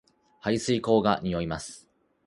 排水溝が臭います